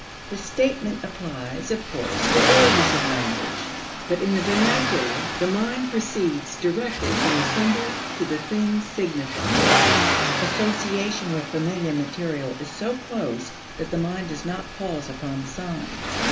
The statement applies, of course, to all use of language. But in the vernacular, the mind proceeds directly from the symbol to the thing signified. Association with familiar material is so close that the mind does not pause upon the sign.